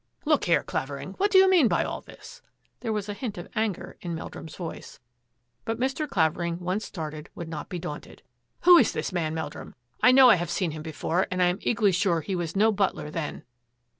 " Look here, Clavering, what do you mean by all this ?" There was a hint of anger in Mel drum's voice. But Mr. Clavering, once started, would not be daunted. " Who is this man, Meldrum? I know I have seen him before, and I am equally sure he was no butler then."